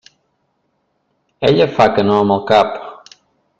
Ella fa que no amb el cap.